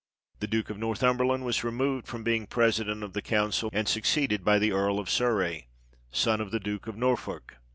The Duke of Northumberland was removed from being president of the council, and succeeded by the Earl of Surrey (son of the Duke of Norfolk).